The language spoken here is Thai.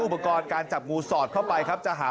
อุปกรณ์การจับงูสอดเข้าไปครับจะหา